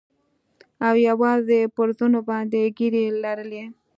او يوازې يې پر زنو باندې ږيرې لرلې.